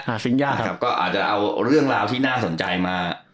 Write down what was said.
ฟินยากครับก็อาจจะเอาเรื่องราวที่น่าสนใจมา